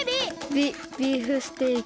ビビーフステーキ。